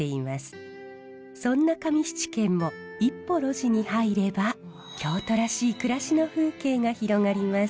そんな上七軒も一歩路地に入れば京都らしい暮らしの風景が広がります。